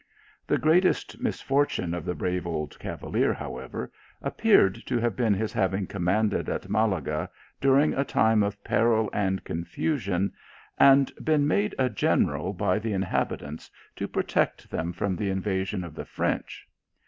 The greatest misfortune of the brave old cavalier, how ever, appears to have been his having commanded at Malaga during a time of peril and conft sion, ar,j been made a general by the inhabitants to protect them from the invasion of the French.